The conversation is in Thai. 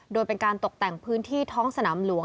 โดยเป็นการตกแต่งพื้นที่ท้องสนามหลวง